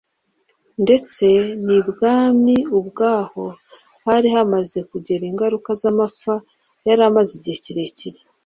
Ndetse nibwami ubwaho hari haramaze kugera ingaruka zamapfa yari amaze igihe kirekire